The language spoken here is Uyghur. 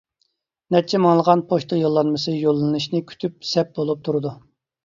نەچچە مىڭلىغان پوچتا يوللانمىسى يوللىنىشنى كۈتۈپ سەپ بولۇپ تۇرىدۇ.